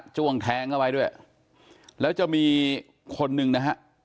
้วงแทงเข้าไปด้วยแล้วจะมีคนหนึ่งนะฮะ